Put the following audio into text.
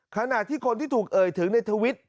ขณะที่คนที่ถูกเอ่ยถึงในทวิต